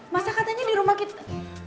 masa katanya di rumah kita